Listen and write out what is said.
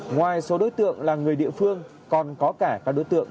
ngoài số đối tượng là người địa phương còn có cả các đối tượng